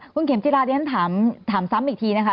คุณเข็มทิราแล้วท่านถามซ้ำอีกทีนะคะ